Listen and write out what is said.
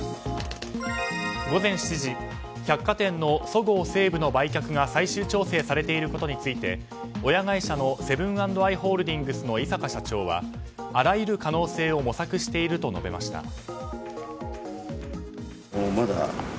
午前７時百貨店のそごう・西武の売却が最終調整されていることについて親会社のセブン＆アイ・ホールディングス井阪社長はあらゆる可能性を模索していると述べました。